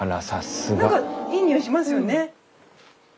何かいい匂いしますよね。